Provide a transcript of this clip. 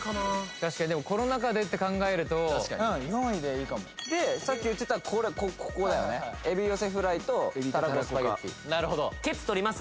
確かにでもコロナ禍でって考えると４位でいいかもでさっき言ってたここだよねエビ寄せフライとたらこスパゲッティ決取ります？